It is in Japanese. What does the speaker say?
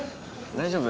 大丈夫。